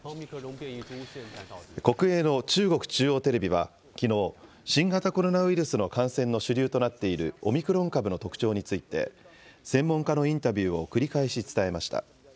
国営の中国中央テレビはきのう、新型コロナウイルスの感染の主流となっているオミクロン株の特徴について、専門家のインタビューを繰り返し伝えました。